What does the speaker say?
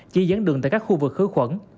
chỉ dẫn đường tại các khu vực khử khuẩn